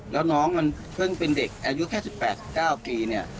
แล้วน้องมันเพิ่งเป็นเด็กอายุแค่๑๘๑๙ปีเนี่ย